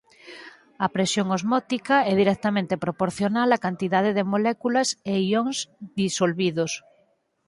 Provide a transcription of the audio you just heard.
A presión osmótica é directamente proporcional á cantidade de moléculas e ións disolvidos.